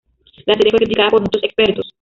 La serie fue criticada por muchos expertos.